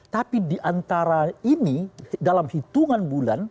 tapi diantara ini dalam hitungan bulan